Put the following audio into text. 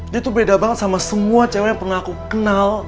dia tuh beda banget sama semua cewek yang pengaku kenal